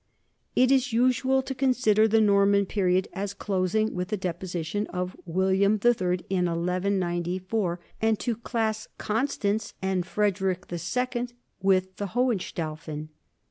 It is usual to consider the Norman period as closing with the deposition of William III in 1194 and to class Constance and Frederick II with the Hohenstaufen.